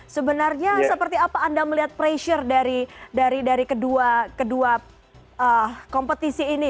sebenarnya seperti apa anda melihat pressure dari kedua kompetisi ini